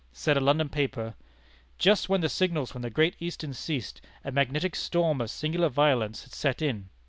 Said a London paper: "Just when the signals from the Great Eastern ceased, a magnetic storm of singular violence had set in.